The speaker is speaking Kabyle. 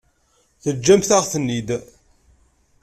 Teǧǧamt-aɣ-ten-id.